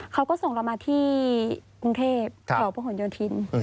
เขาก็ส่งเรามาที่กรุงเทพฯข่าวพระห่วงโยธินทร์